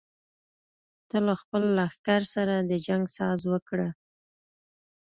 ته له خپل لښکر سره د جنګ ساز وکړه.